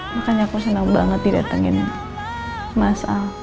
makanya aku senang banget didatengin mas a